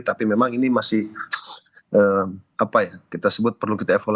tapi memang ini masih apa ya kita sebut perlu kita evaluasi